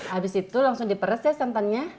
habis itu langsung diperes ya santannya